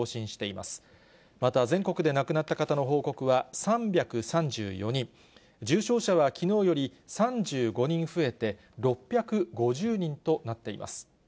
また全国で亡くなった方の報告は３３４人、重症者はきのうより３５人増えて、６５０人となっています。